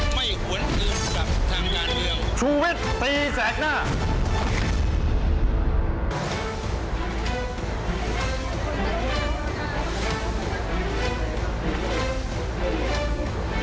ไม่หวนอื่นกับทางด้านเดียว